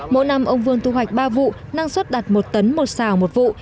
mỗi năm ông vương thu hoạch ba vụ năng suất đạt một tấn một xào một vụ